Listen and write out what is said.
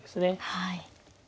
はい。